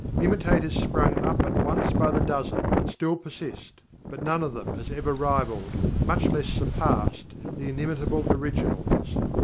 Imitators sprung up at once by the dozen, and still persist; but none of them has ever rivalled, much less surpassed, the inimitable originals.